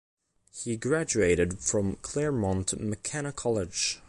He graduated from Claremont McKenna College.